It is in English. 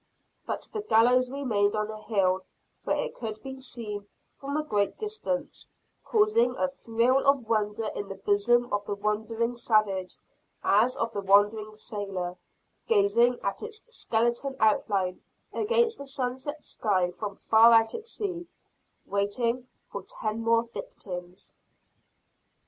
But the gallows remained on the Hill, where it could be seen from a great distance; causing a thrill of wonder in the bosom of the wandering savage, as of the wandering sailor, gazing at its skeleton outline against the sunset sky from far out at sea waiting for ten more victims!